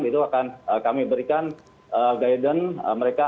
itu akan kami berikan guide an mereka